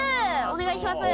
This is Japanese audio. お願いします。